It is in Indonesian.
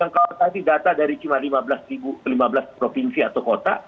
kalau tadi data dari cuma lima belas provinsi atau kota